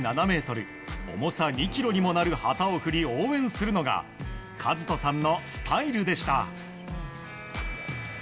ｍ重さ２ｋｇにもなる旗を振り応援するのが和人さんのスタイルでした。